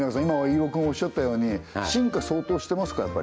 今飯尾君おっしゃったように進化相当してますか？